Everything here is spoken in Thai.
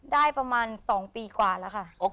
ได้ประมาณ๒ปีกว่าแล้วค่ะ